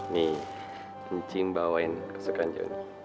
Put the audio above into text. nih cing bawain kesukaan joni